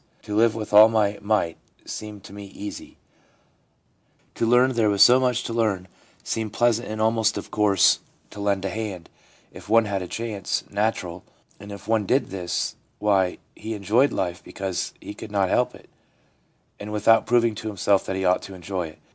To live with all my might seemed to me easy ; to learn where there was so much to learn seemed pleasant and almost of course ; to lend a hand, if one had a chance, natural ; and if one did this, why, he enjoyed life because he could not help it, and without proving to himself that he ought to enjoy it.